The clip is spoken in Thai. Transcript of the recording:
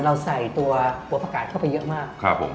เราใส่ตัวหัวประกาศเข้าไปเยอะมากครับผม